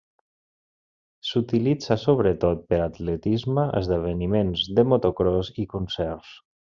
S'utilitza sobretot per a atletisme, esdeveniments de motocròs i concerts.